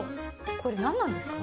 これ何なんですか？